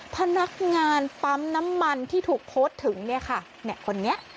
พนักงานปั๊มน้ำมันที่ถูกโพสต์ถึงคนนี้